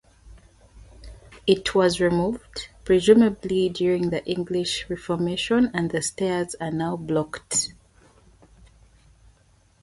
It was removed, presumably during the English Reformation, and the stairs are now blocked.